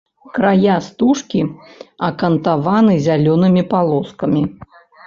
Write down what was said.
Края стужкі акантаваны зялёнымі палоскамі.